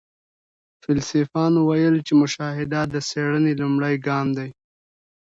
فيلسوفانو ويل چي مشاهده د څېړنې لومړی ګام دی.